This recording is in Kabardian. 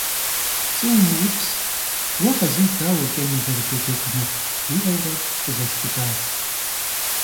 «ПцӀы умыупс, уэ Къазий дауэ кӀэн узэрыдэджэгуныр?» - жиӀэурэ къызэшхыдащ.